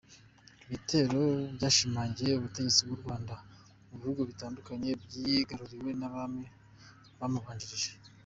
Ibitero byashimangiye ubutegetsi bw’u Rwanda mu bihugu bitandukanye, byigaruriwe n’abami bamubanjirije.